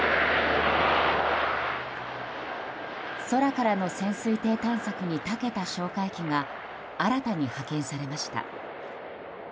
空からの潜水艇探索にたけた哨戒機が新たに派遣されました。